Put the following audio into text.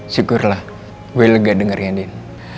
syukurlah gue lega denger ya din